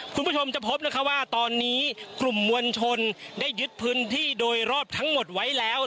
คุณผู้ชมจะพบนะคะว่าตอนนี้กลุ่มมวลชนได้ยึดพื้นที่โดยรอบทั้งหมดไว้แล้ว